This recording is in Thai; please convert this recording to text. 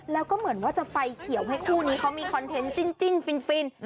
แล้วก็เหมือนว่าจะไฟเขียวให้คู่นี้เขามีคอนเทนต์จิ้นฟิน